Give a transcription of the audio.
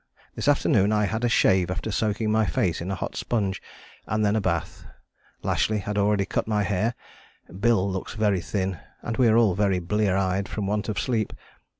This afternoon I had a shave after soaking my face in a hot sponge, and then a bath. Lashly had already cut my hair. Bill looks very thin and we are all very blear eyed from want of sleep.